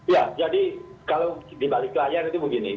ya jadi kalau di balik layar itu begini